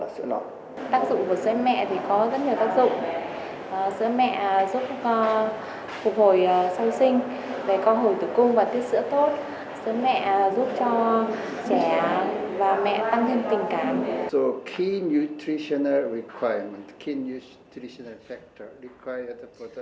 sữa mẹ giúp cho trẻ và mẹ tăng thêm tình cảm